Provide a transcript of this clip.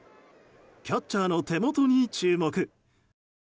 キャッチャーの手元に注目。